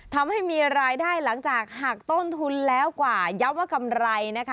ทำให้มีรายได้หลังจากหักต้นทุนแล้วกว่าย้ำว่ากำไรนะคะ